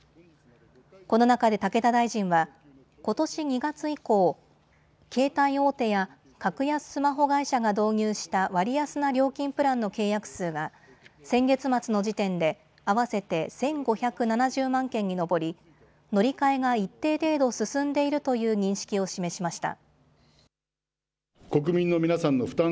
この中で武田大臣はことし２月以降、携帯大手や格安スマホ会社が導入した割安な料金プランの契約数が先月末の時点で合わせて１５７０万件に上り乗り換えが一定程度進んでいるという認識を示しました。